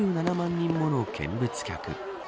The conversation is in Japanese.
人もの見物客。